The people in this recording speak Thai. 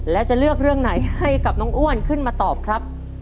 แล้วจะเลือกเรื่องไหนให้กับน้องอ้วนขึ้นมาตอบครับ